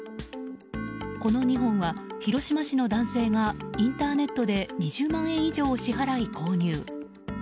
この２本は広島市の男性がインターネットで２０万円以上を支払い購入。